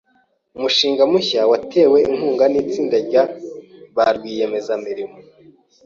Umushinga mushya watewe inkunga nitsinda rya ba rwiyemezamirimo.